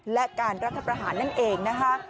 และการรัฐประหารนั่นเองนะคะ